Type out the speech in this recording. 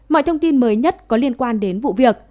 mọi thông tin mới nhất có liên quan đến vụ việc